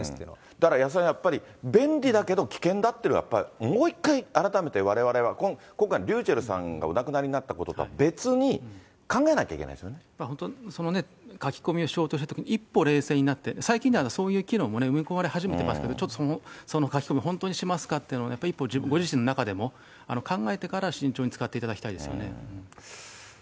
だから安田さん、やっぱり便利だけど、危険だっていうのはやっぱりもう一回、われわれは今回のｒｙｕｃｈｅｌｌさんがお亡くなりになったことその書き込みをしようとしたときに、一歩冷静になって、最近ではそういう機能も埋め込まれ始めてますけど、ちょっとその書き込み、本当にしますかっていうのを一歩、ご自身の中でも考えて、慎重に使っていただきたいですね。